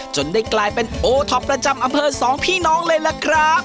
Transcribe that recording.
จนได้กลายเป็นโอท็อปประจำอำเภอสองพี่น้องเลยล่ะครับ